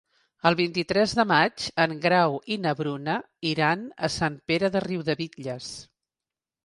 El vint-i-tres de maig en Grau i na Bruna iran a Sant Pere de Riudebitlles.